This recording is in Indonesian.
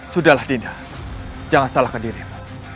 sudahlah dinda jangan salahkan dirimu